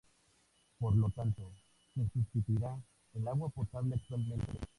Por lo tanto, se sustituirá el agua potable actualmente utilizada con este fin.